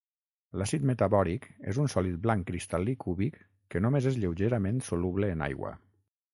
L'àcid metabòric és un sòlid blanc cristal·lí cúbic que només és lleugerament soluble en aigua.